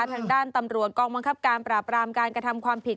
ทางด้านตำรวจกองบังคับการปราบรามการกระทำความผิด